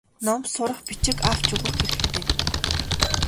Ном сурах бичиг авч өгөх хэрэгтэй.